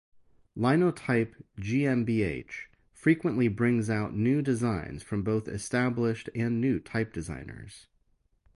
Linotype GmbH frequently brings out new designs from both established and new type designers.